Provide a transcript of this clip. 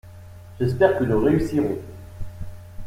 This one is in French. J’espère que nous réussirons !